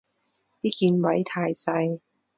啲鍵位太細